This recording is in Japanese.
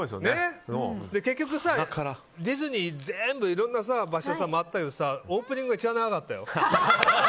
結局さ、ディズニー全部いろんな場所回ったけどさオープニングが一番長かったよ。